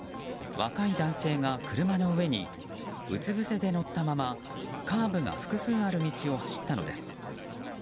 若い男性が車の上にうつぶせで乗ったままカーブが複数ある道を走ったのです。